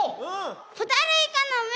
ホタルイカのめ！